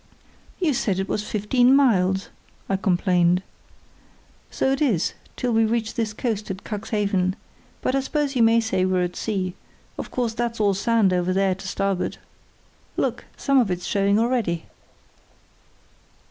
"You said it was fifteen miles," I complained. "So it is, till we reach this coast at Cuxhaven; but I suppose you may say we're at sea; of course that's all sand over there to starboard. Look! some of it's showing already."